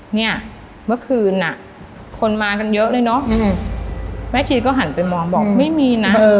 เนี่ยเมื่อคืนอ่ะคนมากันเยอะเลยเนอะยังไงแม่ชีก็หันไปมองบอกไม่มีนะ